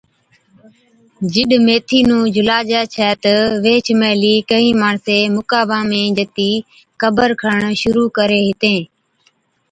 جِڏ ميٿِي نُون جھُلاجَي ڇَي تہ ويھِچ مھلِي ڪھِين ماڻسين مُقاما ۾ جتِي قبر کڻڻ شرُوع ڪري ھِتين